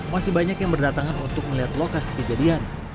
masih banyak yang berdatangan untuk melihat lokasi kejadian